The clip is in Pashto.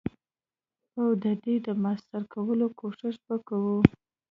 او ددی د ماستر کولو کوښښ به کوو.